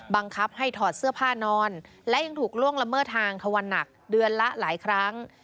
บังคับให้ถอดเสื้อผ้านอนและยังถูกล่วงละเมิดทางทวันหนักเดือนละหลายครั้ง